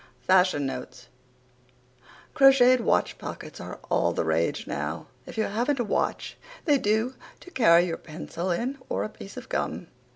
FASHION NOTES Crocheted watch pockets are all the rage now. If you haven't a watch they do to carry your pencil in or a piece of gum.